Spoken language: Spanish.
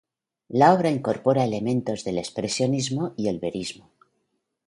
La obra incorpora elementos del expresionismo y el verismo.